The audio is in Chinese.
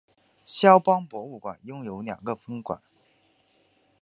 萧邦博物馆拥有两个分馆。